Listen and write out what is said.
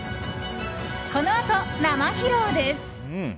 このあと生披露です！